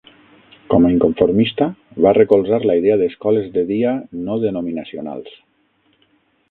Com a inconformista, va recolzar la idea d'escoles de dia no denominacionals.